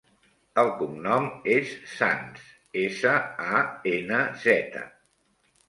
El cognom és Sanz: essa, a, ena, zeta.